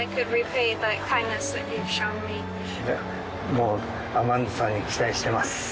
もうアマンダさんに期待してます。